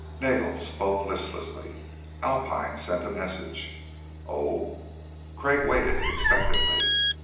Nagel spoke listlessly. "Alpine sent a message." "Oh?" Crag waited expectantly.